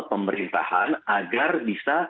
pemerintahan agar bisa